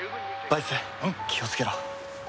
バイス気をつけろ。